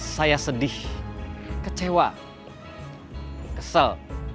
saya sedih kecewa kesel